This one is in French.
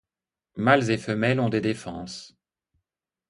Mâles et femelles ont des défenses.